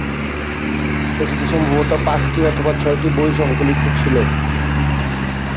এটিতে সম্ভবত পাঁচটি অথবা ছয়টি বই সংকলিত ছিল।